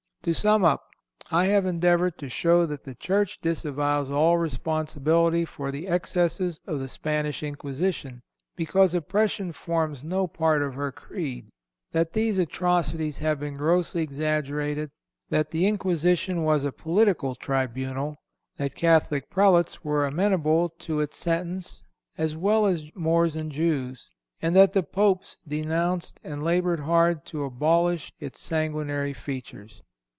To sum up: I have endeavored to show that the Church disavows all responsibility for the excesses of the Spanish Inquisition, because oppression forms no part of her creed; that these atrocities have been grossly exaggerated; that the Inquisition was a political tribunal; that Catholic Prelates were amenable to its sentence as well as Moors and Jews, and that the Popes denounced and labored hard to abolish its sanguinary features.